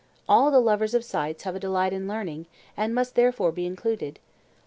All the lovers of sights have a delight in learning, and must therefore be included.